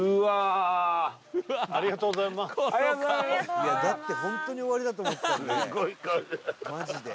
「いやだって本当に終わりだと思ったので」